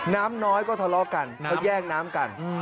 น้ำน้อยก็ทะเลาะกันเขาแย่งน้ำกัน